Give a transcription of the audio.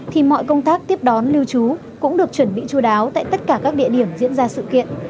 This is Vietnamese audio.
thì mọi công tác tiếp đón lưu trú cũng được chuẩn bị chú đáo tại tất cả các địa điểm diễn ra sự kiện